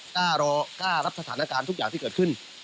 กล้ารอกล้ารับสถานการณ์ทุกอย่างที่เกิดขึ้น